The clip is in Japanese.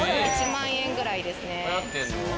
１万円くらいですね。